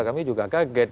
kami juga kaget